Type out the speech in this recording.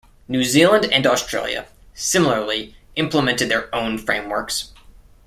New Zealand and Australia, similarly, implemented their own frameworks.